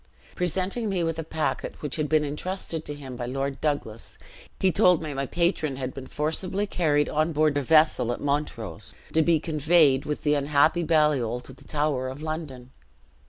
Presenting me with a packet which had been intrusted to him by Lord Douglas, he told me my patron had been forcibly carried on board a vessel at Montrose, to be conveyed with the unhappy Baliol to the Tower of London.